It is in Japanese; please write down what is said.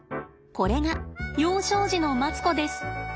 これが幼少時のマツコです。